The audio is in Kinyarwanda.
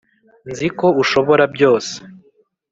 nzi ko ushobora byose